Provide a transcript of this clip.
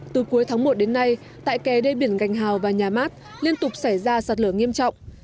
từ cuối tháng một đến nay tại kè đê biển gành hào và nhà mát liên tục xảy ra sạt lở nghiêm trọng